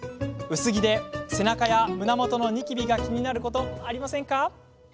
薄着で背中や胸元のニキビが気になることありませんか。